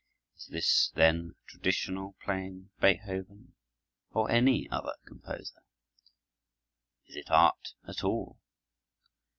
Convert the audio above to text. Is this, then, traditional playing of Beethoven, or any other composer? Is it art at all?